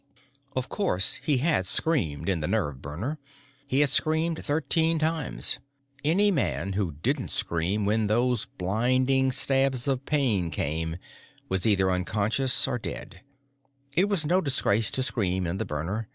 Of course, he had screamed in the nerve burner; he had screamed thirteen times. Any man who didn't scream when those blinding stabs of pain came was either unconscious or dead it was no disgrace to scream in the burner.